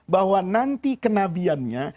bahwa nanti kenabiannya